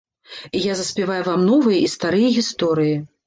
І я заспяваю вам новыя і старыя гісторыі.